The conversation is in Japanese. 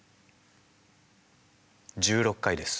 １６回です。